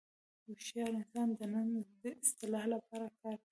هوښیار انسان د نن د اصلاح لپاره کار کوي.